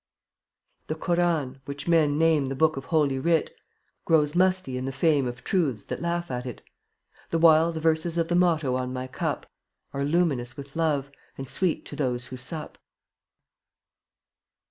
24 The Koran, which men name The book of Holy Writ, Grows musty in the fame Of truths that laugh at it; The while the verses of The motto on my cup Are luminous with love, And sweet to those who sup.